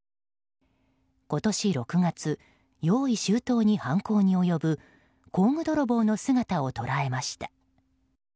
今年６月、用意周到に犯行に及ぶ工具泥棒の姿を捉えました。